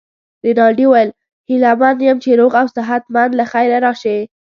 رینالډي وویل: هیله من یم چي روغ او صحت مند له خیره راشې.